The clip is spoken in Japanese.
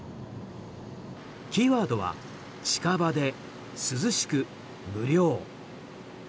キーワードは近場で、涼しく、無料。